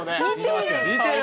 似てる。